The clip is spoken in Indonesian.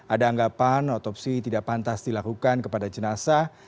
ada anggapan otopsi tidak pantas dilakukan kepada jenazah